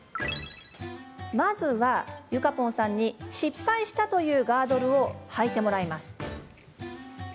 まずは、ゆかぽんさんに失敗したというガードルをはいてもらいます。